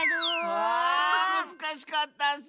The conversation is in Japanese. わあむずかしかったッス。